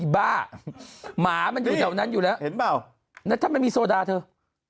บ้าหมามันอยู่แถวนั้นอยู่แล้วเห็นเปล่าแล้วถ้ามันมีโซดาเธอ